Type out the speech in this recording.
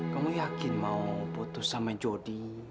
kamu yakin mau putus sama jody